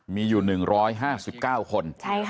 มีอยู่๑๕๙คน